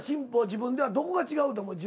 自分ではどこが違うと思う？